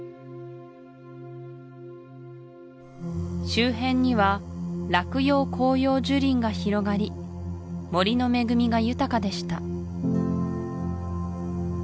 周辺には落葉広葉樹林が広がり森の恵みが豊かでした